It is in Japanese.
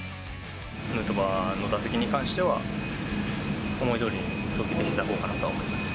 ヌートバーの打席に関しては、思いどおりに投球できたほうかなと思います。